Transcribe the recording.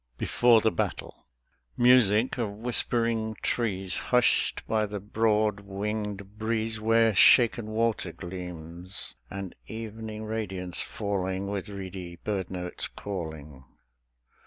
BEFORE THE BATTLE Music of whispering trees Hushed by the broad winged breeze Where shaken water gleams; And evening radiance falling With reedy bird notes calling.